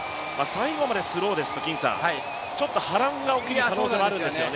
最後までスローですと、ちょっと波乱が起きる可能性もあるんですよね？